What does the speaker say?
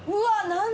何？